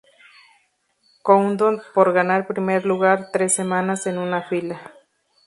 Countdown por ganar primer lugar tres semanas en una fila.